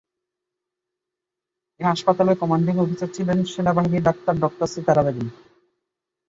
এই হাসপাতালের commanding officer ছিলেন সেনাবাহিনীর ডাক্তার সিতারা বেগম।